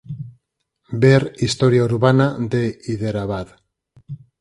Ver "Historia urbana de Hiderabad".